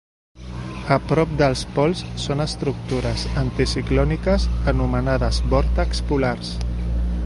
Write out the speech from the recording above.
A prop dels pols són estructures anticiclòniques anomenades vòrtexs polars.